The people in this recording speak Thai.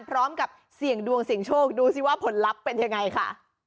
พร้อมกับเสี่ยงดวงเสี่ยงโชคดูสิว่าผลลัพธ์เป็นยังไงค่ะ